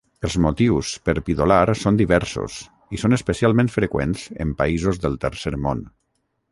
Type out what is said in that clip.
Els motius per pidolar són diversos, i són especialment freqüents en països del Tercer Món.